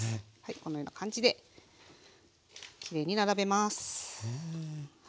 このような感じできれいに並べます。